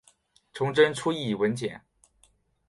崇祯初谥文简。